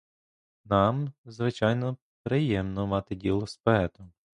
Нам, звичайно, приємно мати діло з поетом.